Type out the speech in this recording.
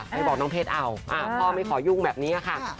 ไปบอกน้องเพชรเอาพ่อไม่ขอยุ่งแบบนี้ค่ะ